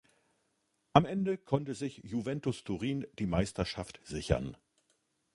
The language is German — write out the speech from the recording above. Am Ende konnte sich Juventus Turin die Meisterschaft sichern.